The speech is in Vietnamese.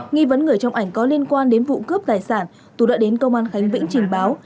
nghi vấn người trong ảnh có liên quan đến vụ cướp tài sản tú đã đến công an khánh vĩnh trình báo